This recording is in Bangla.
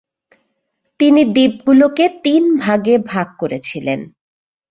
তিনি দ্বীপগুলোকে তিন ভাগে ভাগ করেছিলেন।